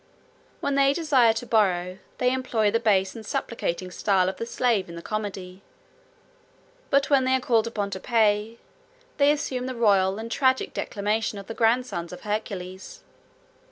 When they desire to borrow, they employ the base and supplicating style of the slave in the comedy; but when they are called upon to pay, they assume the royal and tragic declamation of the grandsons of Hercules.